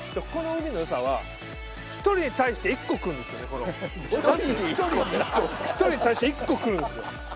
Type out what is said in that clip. ここの海のよさは１人に対して１個来るんですよね